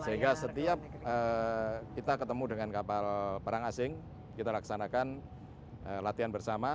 sehingga setiap kita ketemu dengan kapal perang asing kita laksanakan latihan bersama